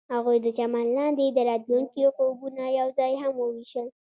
هغوی د چمن لاندې د راتلونکي خوبونه یوځای هم وویشل.